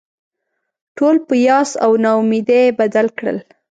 ټول په یاس او نا امیدي بدل کړل.